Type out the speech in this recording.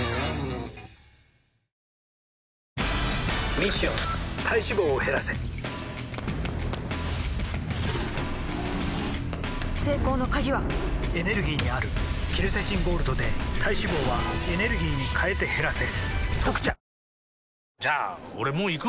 ミッション体脂肪を減らせ成功の鍵はエネルギーにあるケルセチンゴールドで体脂肪はエネルギーに変えて減らせ「特茶」